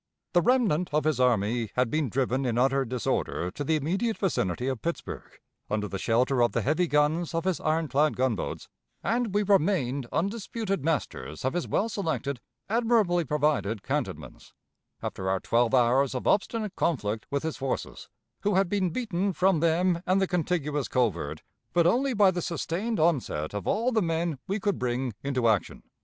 "The remnant of his army had been driven in utter disorder to the immediate vicinity of Pittsburg, under the shelter of the heavy guns of his iron clad gunboats, and we remained undisputed masters of his well selected, admirably provided cantonments, after our twelve hours of obstinate conflict with his forces, who had been beaten from them and the contiguous covert, but only by the sustained onset of all the men we could bring into action."